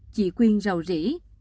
chị quyên rầu rỉ